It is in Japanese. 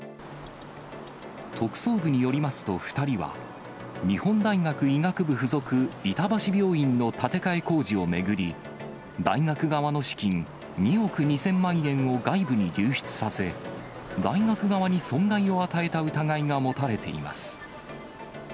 特捜部によりますと、２人は、日本大学医学部付属板橋病院の建て替え工事を巡り、大学側の資金２億２０００万円を外部に流出させ、大学側に損害を与えた疑いが持たれています。